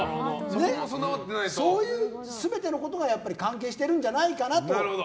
そういう全てのことがやっぱり関係しているんじゃないかなと。